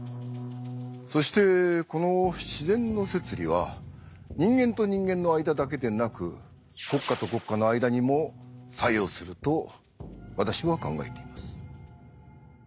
そしてこの「自然の摂理」は人間と人間の間だけでなく国家と国家の間にも作用すると私は考えています。